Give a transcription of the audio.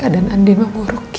semakin membaik ya bu